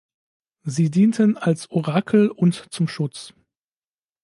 Sie dienten als Orakel und zum Schutz.